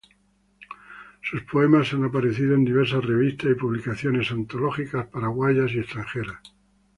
Sus poemas han aparecido en diversas revistas y publicaciones antológicas paraguayas y extranjeras.